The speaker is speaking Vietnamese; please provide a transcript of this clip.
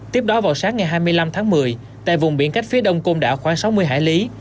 tiếp đó vào sáng ngày hai mươi năm tháng một mươi tại vùng biển cách phía đông côn đảo khoảng sáu mươi hải lý